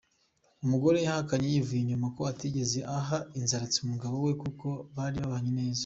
Umugore yahakanye yivuye inyuma ko atigeze aha inzaratsi umugabo we kuko bari babanye neza.